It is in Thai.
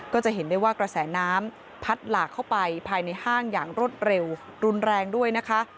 ก็จะเห็นได้ว่ากระแสน้ำพัดหลากเข้าไปภายในห้างอย่างรวดเร็วรุนแรงด้วยนะคะ